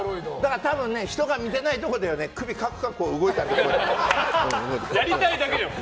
多分、人が見ていないところで首カクカク動いてると思う。